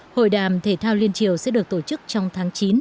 hội đàm thể thao liên triều sẽ được tổ chức trong tháng chín